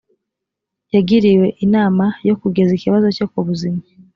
yagiriwe inama yo kugeza ikibazo cye ku buzima